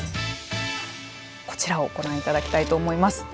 こちらをご覧いただきたいと思います。